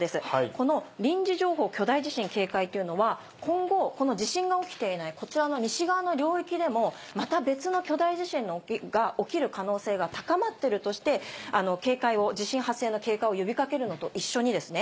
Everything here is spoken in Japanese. この臨時情報「巨大地震警戒」というのは今後この地震が起きていないこちらの西側の領域でもまた別の巨大地震が起きる可能性が高まってるとして地震発生の警戒を呼びかけるのと一緒にですね